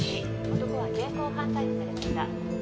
「男は現行犯逮捕されました」